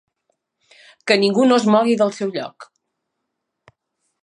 Que ningú no es mogui del seu lloc!